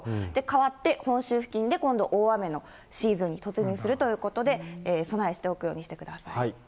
変わって本州付近で今度、大雨のシーズンに突入するということで、備えしておくようにしてください。